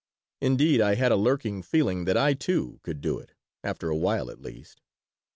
Indeed, I had a lurking feeling that I, too, could do it, after a while at least.